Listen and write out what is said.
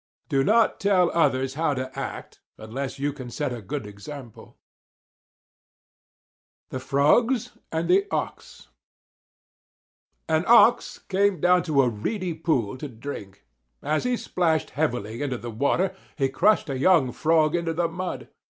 Do not tell others how to act unless you can set a good example. THE FROGS AND THE OX An Ox came down to a reedy pool to drink. As he splashed heavily into the water, he crushed a young Frog into the mud.